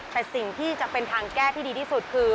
แต่สิ่งที่จะเป็นทางแก้ที่ดีที่สุดคือ